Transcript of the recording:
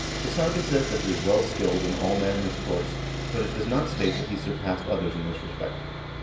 The saga says that he was well skilled in all manly sports, but it does not state that he surpassed others in this respect.